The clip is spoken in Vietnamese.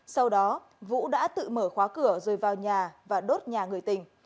sau đó vũ đã tự mở khóa cửa rồi vào nhà và đốt nhà người tình